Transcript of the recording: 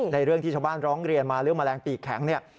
เรื่องที่ชาวบ้านร้องเรียนมาเรื่องแมลงปีกแข็งเนี่ย